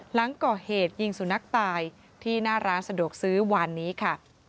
หลังก่อเหตุยิงสุนัขตายที่หน้าร้านสะดวกซื้อวานนี้ค่ะ